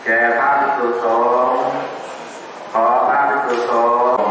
การพุทธศักดาลัยเป็นภูมิหลายการพุทธศักดาลัยเป็นภูมิหลาย